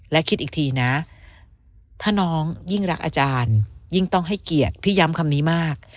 และคิดอีกทีนะถ้าน้องยิ่งรักอาจารย์ยิ่งต้องให้เกียรติพี่ย้ำคำนี้มาก